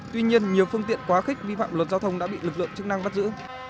tuy nhiên nhiều phương tiện quá khích vi phạm luật giao thông đã bị lực lượng chức năng bắt giữ